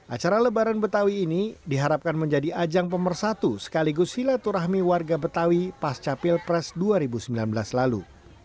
acara lebaran betawi ini diharapkan menjadi ajang pemersatu sekaligus silaturahmi warga betawi pasca pilpres dua ribu sembilan belas lalu